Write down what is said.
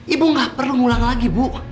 ibu gak perlu mulang lagi ibu